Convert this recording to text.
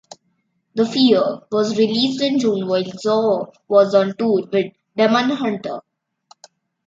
"The Fear..." was released in June while Zao was on tour with Demon Hunter.